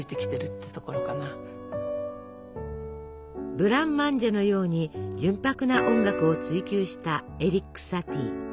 ブランマンジェのように純白な音楽を追求したエリック・サティ。